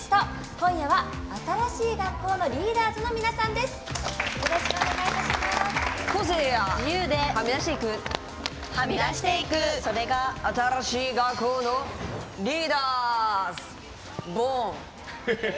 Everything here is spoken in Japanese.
今夜は新しい学校のリーダーズの皆さんです。